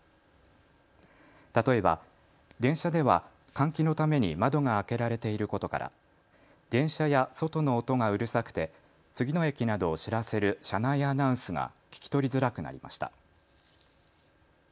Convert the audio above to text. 例えば電車では換気のために窓が開けられていることから電車や外の音がうるさくて次の駅などを知らせる車内アナウンスが聞き取りづらくなりました。